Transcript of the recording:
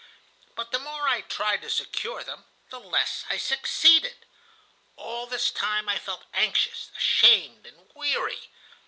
But the more I tried to secure them, the less I succeeded. All this time I felt anxious, ashamed, and weary.